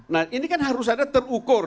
nah ini kan harus ada terukur